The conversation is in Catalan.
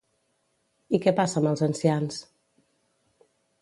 I què passa amb els ancians?